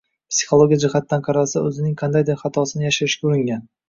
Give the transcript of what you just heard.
Psixologiya jihatidan qaralsa, o‘zining qandaydir xatosini yashirishga uringan